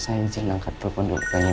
saya izin angkat telpon dulu kayaknya